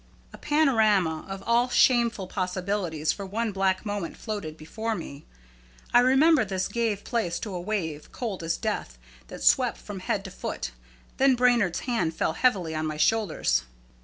A panorama of all shameful possibilities for one black moment floated before me. I remember this gave place to a wave, cold as death, that swept from head to foot; then Brainard's hands fell heavily on my shoulders.